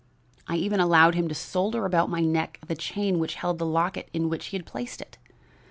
I even allowed him to solder about my neck the chain which held the locket in which he had placed it.